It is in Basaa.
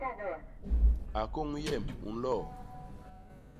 A kôñ yem u nloo?